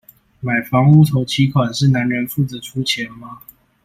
買房屋頭期款是男人負責出錢嗎？